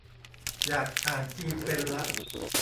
อยากอ่านจีนเป็นละ